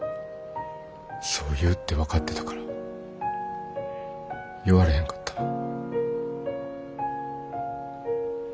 そう言うって分かってたから言われへんかった。